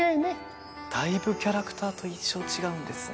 だいぶキャラクターと印象違うんですね。